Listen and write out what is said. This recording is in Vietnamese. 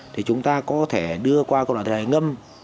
thì chúng ta có thể đưa qua cộng đoạn thay đổi ngâm